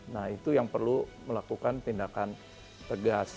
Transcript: nah itu yang perlu melakukan tindakan tegas